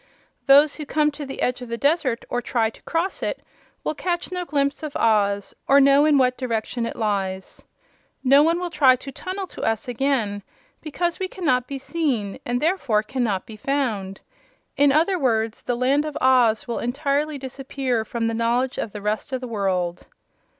Those who come to the edge of the desert, or try to cross it, will catch no glimpse of Oz, or know in what direction it lies. No one will try to tunnel to us again because we cannot be seen and therefore cannot be found. In other words, the Land of Oz will entirely disappear from the knowledge of the rest of the world."